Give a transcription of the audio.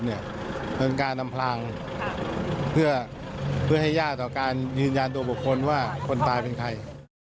เป็นการอำพลางเพื่อให้ยากต่อการยืนยันตัวบุคคลว่าคนตายเป็นใคร